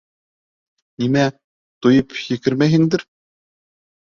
Нимә, туйып һикермәйһеңдер.